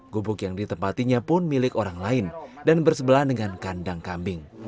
gubuk yang ditempatinya pun milik orang lain dan bersebelahan dengan kandang kambing